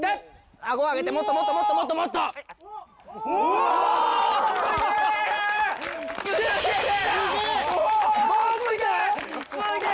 あご上げてもっともっともっともっと！おお！すげえ！